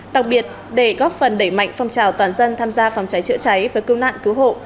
đặc biệt để góp phần đẩy mạnh phong trào toàn dân tham gia phòng cháy chữa cháy và cứu nạn cứu hộ